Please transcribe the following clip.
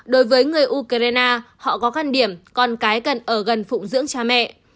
đối với người ukraine họ có căn điểm con cái cần ở gần phụ dưỡng cha mẹ